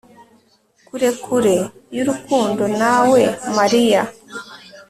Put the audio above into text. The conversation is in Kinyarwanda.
Kure kure yurukundo nawe Mariya